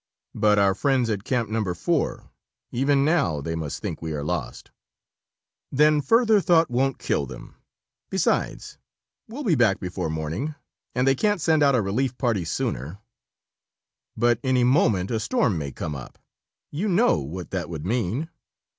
"But our friends at Camp No. 4. Even now, they must think we are lost." "Then further thought won't kill them. Besides, we'll be back before morning and they can't send out a relief party sooner." "But any moment a storm may come up. You know what that would mean."